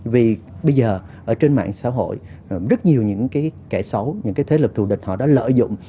vì bây giờ ở trên mạng xã hội rất nhiều những cái kẻ xấu những cái thế lực thù địch họ đã lợi dụng